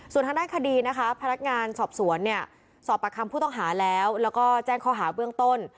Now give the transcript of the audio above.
ส่วนทางด้านคดีนะคะพนักงานสอบสวนเนี่ยสอบประคำผู้ต้องหาแล้วแล้วก็แจ้งข้อหาเบื้องต้น